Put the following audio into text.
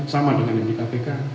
sama dengan yang di kpk